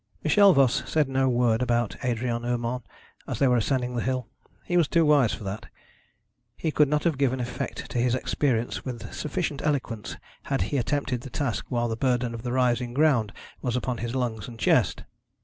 Michel Voss said no word about Adrian Urmand as they were ascending the hill. He was too wise for that. He could not have given effect to his experience with sufficient eloquence had he attempted the task while the burden of the rising ground was upon his lungs and chest.